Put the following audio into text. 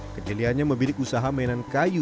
keciliannya memiliki usaha mainan kayu